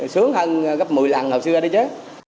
sướng hơn gấp một mươi lần hồi xưa đây chứ